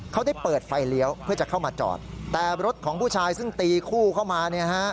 เขาได้เปิดไฟเลี้ยวเพื่อจะเข้ามาจอดแต่รถของผู้ชายซึ่งตีคู่เข้ามาเนี่ยฮะ